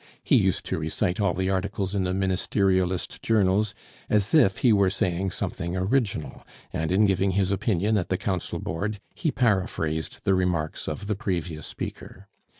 He used to recite all the articles in the Ministerialist journals, as if he were saying something original, and in giving his opinion at the Council Board he paraphrased the remarks of the previous speaker.